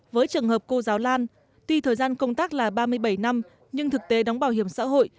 với trường hợp cô giáo lan tuy thời gian công tác là ba mươi bảy năm nhưng thực tế đóng bảo hiểm xã hội